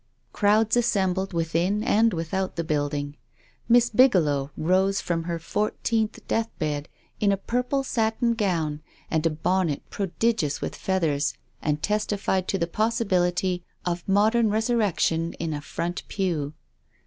Crowds assembled within and without the building. Miss Bigelow rose from her fourteenth death bed in a purple satin gown and a bonnet prodigious with feathers and testi fied to the possibility of modern resurrection in a front pew.